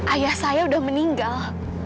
ayah saya udah meninggal